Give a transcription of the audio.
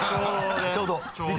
ちょうど。